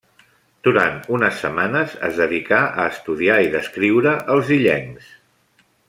Durant unes setmanes es dedicà a estudiar i descriure els illencs.